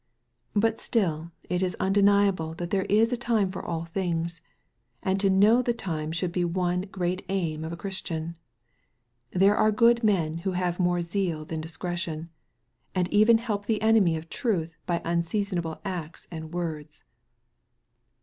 But still it is undeniable that there is a time for all things ; and to know the time should be one great aim of a Christian. There are good men who have more zeal than discretion, and even help the enemy of truth by unseasonable acts and words.